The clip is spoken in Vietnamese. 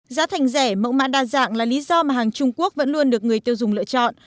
giá thành rẻ mẫu mãn đa dạng là lý do mà hàng trung quốc vẫn luôn được người tiêu dùng lựa chọn